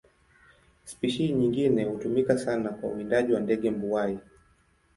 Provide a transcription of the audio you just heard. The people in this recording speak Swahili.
Spishi nyingine hutumika sana kwa uwindaji kwa ndege mbuai.